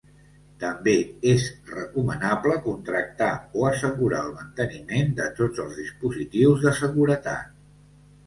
També és recomanable contractar o assegurar el manteniment de tots els dispositius de seguretat.